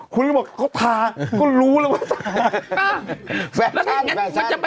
คุณก็บอกก็ทาก็รู้เลยว่าทา